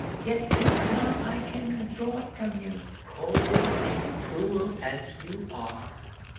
Yet think not I can withdraw it from you, cold and cruel as you are.